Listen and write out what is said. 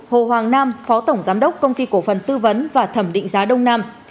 hồ hoàng nam phó tổng giám đốc công ty cổ phần tư vấn và thẩm định giá đông nam